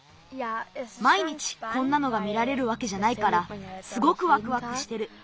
まいにちこんなのが見られるわけじゃないからすごくわくわくしてる。